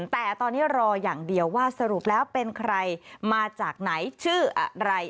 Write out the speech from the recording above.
แต่ตอนนี้รออย่างเดียวว่าสรุปแล้วเป็นใครมาจากไหนชื่ออะไร